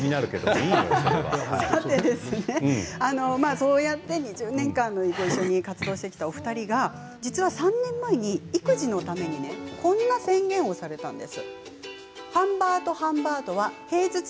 そうやって２０年間一緒に活動してきたお二人が実は３年前に育児のためにこんな宣言をされたんです。